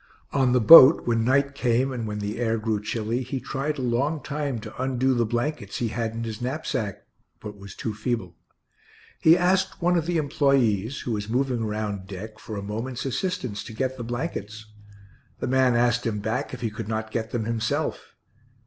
On the boat, when night came and when the air grew chilly, he tried a long time to undo the blankets he had in his knapsack, but was too feeble. He asked one of the employees, who was moving around deck, for a moment's assistance to get the blankets. The man asked him back if he could not get them himself.